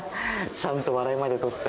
ちゃんと笑いまで取って。